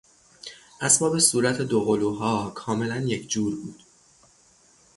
اسباب صورت دوقلوها کاملا یکجور بود.